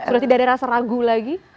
berarti tidak ada rasa ragu lagi